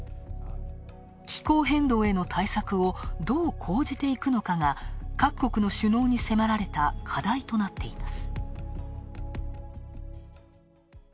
気候変動への対策をどう講じていくのかが、各国の首脳に迫られた課題となっています。